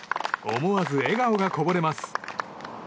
思わず笑顔がこぼれます。